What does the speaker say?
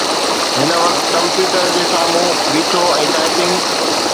هن وقت ڪمپيوٽر جي سامهون بيٺو ۽ ٽائپنگ.